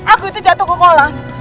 aku itu jatuh ke kolam